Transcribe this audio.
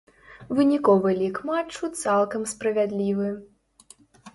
Выніковы лік матчу цалкам справядлівы.